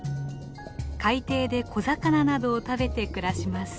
海底で小魚などを食べて暮らします。